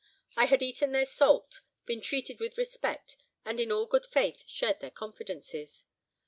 I had eaten their salt, been treated with respect, and in all good faith shared their confidences.